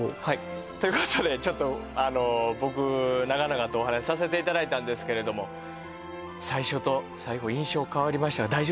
はいということでちょっとあの僕長々とお話しさせていただいたんですけれども最初と最後印象変わりましたか？